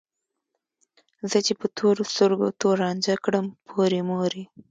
زه چې په تورو سترګو تور رانجه کړم پورې مورې